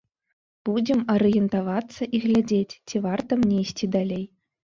Будзем арыентавацца і глядзець, ці варта мне ісці далей.